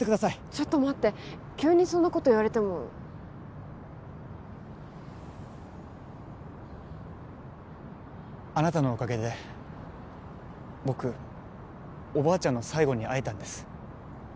ちょっと待って急にそんなこと言われてもあなたのおかげで僕おばあちゃんの最期に会えたんです